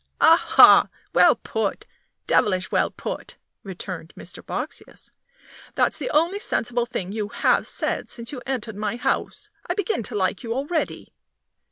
"Aha! well put devilish well put!" returned Mr. Boxsious; "that's the only sensible thing you have said since you entered my house; I begin to like you already."